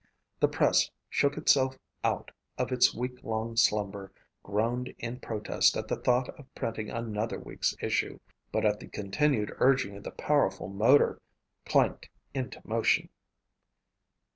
The press shook itself out of its week long slumber, groaned in protest at the thought of printing another week's issue, but at the continued urging of the powerful motor, clanked into motion.